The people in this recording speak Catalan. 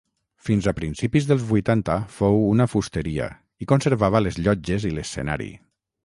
Fins a principis dels vuitanta fou una fusteria i conservava les llotges i l'escenari.